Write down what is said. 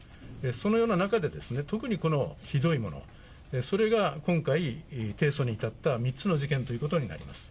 そのような中でですね、特にこのひどいもの、それが今回、提訴に至った３つの事件ということになります。